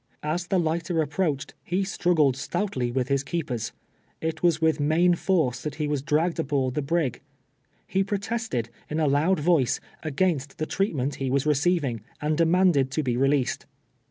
As tlie lighter approached, he strug gled stoutly witli Ills keepers. It was with inuhi force that he was dragged ahoard the brig, lie pro tested, in a loud voice, against the treatment he was receiving, and denumdcd to be released.